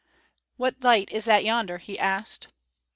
"What light is that yonder?" he asked.